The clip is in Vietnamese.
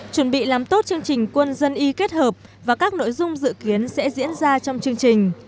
chuẩn bị làm tốt chương trình quân dân y kết hợp và các nội dung dự kiến sẽ diễn ra trong chương trình